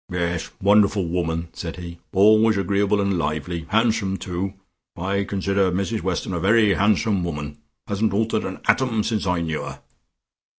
"Yes, wonderful woman," said he. "Always agreeable and lively. Handsome, too: I consider Mrs Weston a very handsome woman. Hasn't altered an atom since I knew her."